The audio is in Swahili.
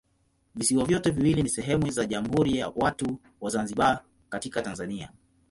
Visiwa vyote viwili ni sehemu za Jamhuri ya Watu wa Zanzibar katika Tanzania.